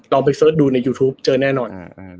ไปเสิร์ชดูในยูทูปเจอแน่นอน